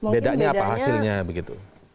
bedanya apa hasilnya begitu